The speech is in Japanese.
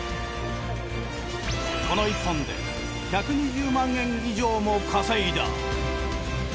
この１本で１２０万円以上も稼いだ。